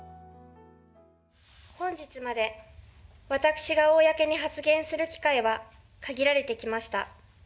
本日まで、私が公に発言する機会は限られてきました。